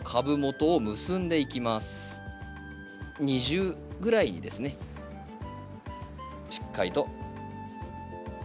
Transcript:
２重ぐらいにですねしっかりと。